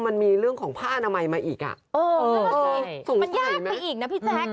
มันมีเรื่องของผ้าอาณาไมมาอีกอ่ะเออมันยากไปอีกนะพี่ละ